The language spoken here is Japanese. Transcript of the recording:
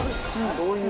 どういう？